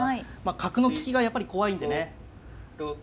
角の利きがやっぱり怖いんでね。